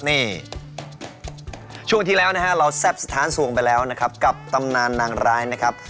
นี่ช่วงที่แล้วเราแซ่บสถานส่วงไปแล้วกับตำนานนางรายนะครับ